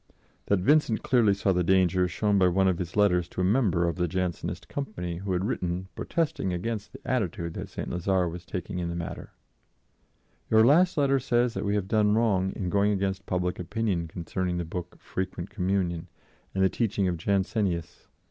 That Vincent clearly saw the danger is shown by one of his letters to a member of the Jansenist company who had written protesting against the attitude that St. Lazare was taking in the matter: "Your last letter says that we have done wrong in going against public opinion concerning the book Frequent Communion and the teaching of Jansenius.